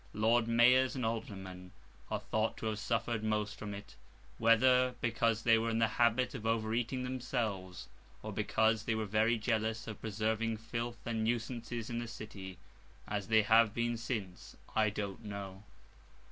Lord Mayors and Aldermen are thought to have suffered most from it; whether, because they were in the habit of over eating themselves, or because they were very jealous of preserving filth and nuisances in the City (as they have been since), I don't know.